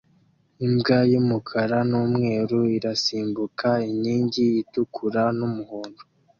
Imbwa yumukara numweru irasimbuka inkingi itukura numuhondo